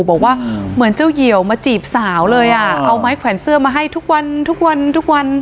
บอกว่าเหมือนเจ้าเหี่ยวมาจีบสาวเลยอ่ะเอาไม้แขวนเสื้อมาให้ทุกวันทุกวันทุกวันทุกวัน